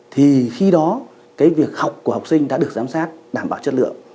thì khi đó cái việc học của học sinh đã được giám sát đảm bảo chất lượng